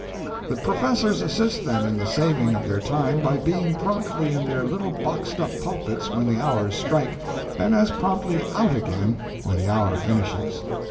The professors assist them in the saving of their time by being promptly in their little boxed up pulpits when the hours strike, and as promptly out again when the hour finishes.